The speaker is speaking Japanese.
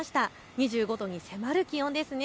２５度に迫る気温ですね。